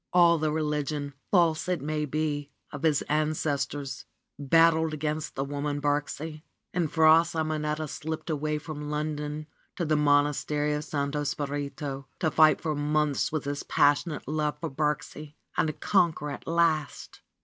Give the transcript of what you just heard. All the religion, false it may be, of his ancestors, battled against the woman, Birksie. And Fra Simonetta slipped away from London to the Monastery of Santo Spirito to fight for months with his passionate love for Birksie and conquer at last